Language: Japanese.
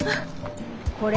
これ？